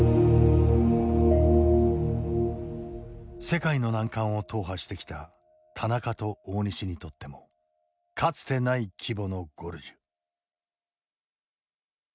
世界の難関を踏破してきた田中と大西にとってもかつてない規模のゴルジュ。